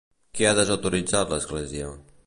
Què ha desautoritzat l'Església?